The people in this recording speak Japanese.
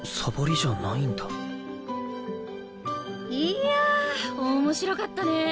いや面白かったね。